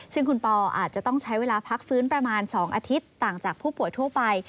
ซึ่งคุณปออาจจะต้องใช้เวลาพักฟื้นประมาณ๒อาทิตย์ต่างจากผู้ป่วยทั่วไป